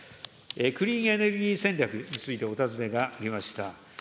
クリーンエネルギー戦略についてお尋ねがありました。